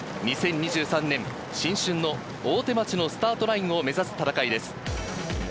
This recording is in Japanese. ２０２３年新春の大手町のスタートラインを目指す戦いです。